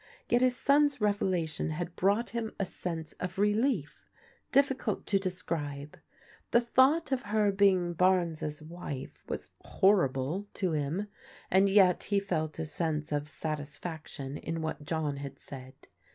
Yet his son's revelation had brought him a sense of relief difficult to describe. The thought of her being Barnes' wife was horrible to him, and yet he felt a sense of satisfaction in what John had said.